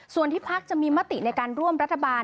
ส่วนที่พักจะมีมติในการร่วมรัฐบาล